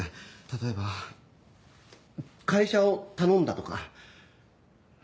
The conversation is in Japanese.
例えば「会社を頼んだ」とか。